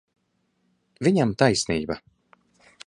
Viņam taisnība.